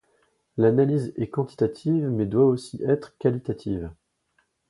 L'analyse est quantitative mais doit aussi être qualitative.